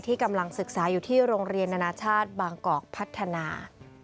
กำลังศึกษาอยู่ที่โรงเรียนนานาชาติบางกอกพัฒนา